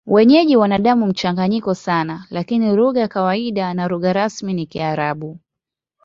Wenyeji wana damu mchanganyiko sana, lakini lugha ya kawaida na lugha rasmi ni Kiarabu.